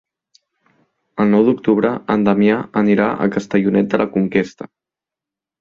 El nou d'octubre en Damià anirà a Castellonet de la Conquesta.